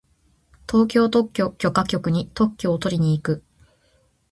東京特許許可局に特許をとりに行く。